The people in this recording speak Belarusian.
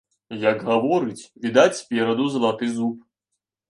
Як гаворыць, відаць спераду залаты зуб.